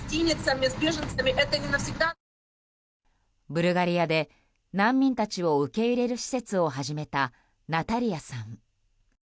ブルガリアで難民たちを受け入れる施設を始めたナタリアさん。